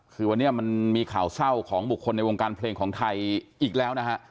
คือวันนี้มันมีข่าวเศร้าของบุคคลในวงการเพลงของไทยอีกแล้วนะฮะ